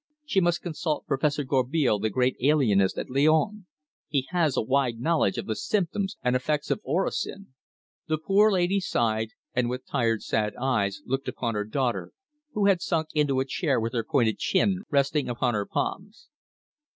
"She must consult Professor Gourbeil, the great alienist, at Lyons. He has a wide knowledge of the symptoms and effects of orosin." The poor lady sighed, and with tired, sad eyes looked upon her daughter, who had sunk into a chair with her pointed chin resting upon her palms.